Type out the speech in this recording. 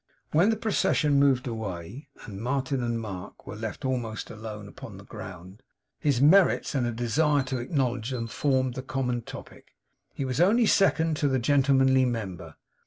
When the procession moved away, and Martin and Mark were left almost alone upon the ground, his merits and a desire to acknowledge them formed the common topic. He was only second to the Gentlemanly member.